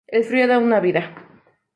El frío de una vida".